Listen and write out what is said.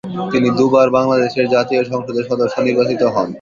তিনি দু’বার বাংলাদেশের জাতীয় সংসদের সদস্য হিসেবে নির্বাচিত হন।